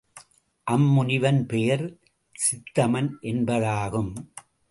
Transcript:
அம்முனிவன் பெயர் கிந்தமன் என்பதாகும்.